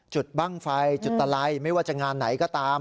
บ้างไฟจุดตะไลไม่ว่าจะงานไหนก็ตาม